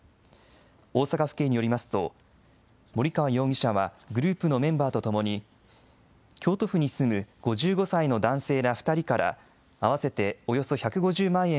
大阪府警によりますと、森川容疑者はグループのメンバーと共に、京都府に住む５５歳の男性ら２人から、合わせておよそ１５０万円